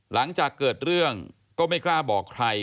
หลังจากเกิดเรื่องก็ไม่กล้าบอกใคร